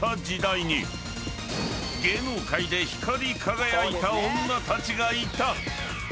［芸能界で光り輝いた女たちがいた］